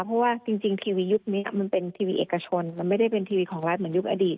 เพราะว่าจริงทีวียุคนี้มันเป็นทีวีเอกชนมันไม่ได้เป็นทีวีของรัฐเหมือนยุคอดีต